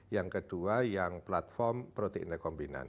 yang kedua yang platform protein rekombinant